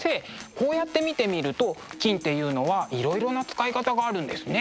こうやって見てみると金っていうのはいろいろな使い方があるんですね。